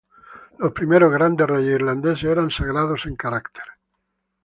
Los primeros "Grandes reyes irlandeses" eran sagrados en carácter.